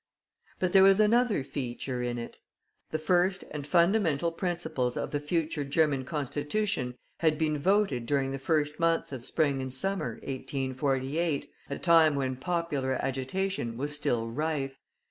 But there was another feature in it. The first and fundamental principles of the future German Constitution had been voted during the first months of spring and summer, 1848, a time when popular agitation was still rife.